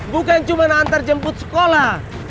bukan cuma nantar jemput sekolah